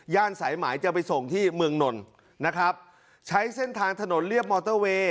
สายหมายจะไปส่งที่เมืองนนนะครับใช้เส้นทางถนนเรียบมอเตอร์เวย์